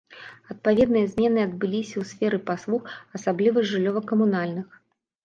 Адпаведныя змены адбыліся ў сферы паслуг, асабліва жыллёва-камунальных.